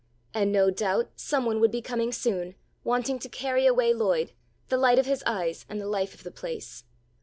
And no doubt some one would be coming soon, wanting to carry away Lloyd, the light of his eyes and the life of the place.